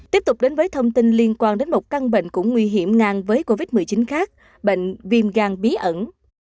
tiếp tục đến với thông tin liên quan đến một căn bệnh cũng nguy hiểm ngang với covid một mươi chín khác bệnh viêm gan bí ẩn